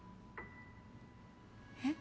えっ？